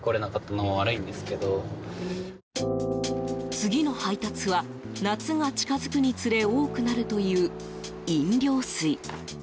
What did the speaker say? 次の配達は夏が近づくにつれ多くなるという飲料水。